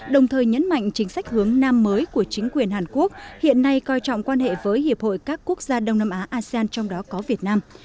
đồng thời nhấn mạnh chính sách hướng nam mới của chính quyền hàn quốc hiện nay coi trọng quan hệ với hiệp hội các quốc gia đông nam á asean trong đó có việt nam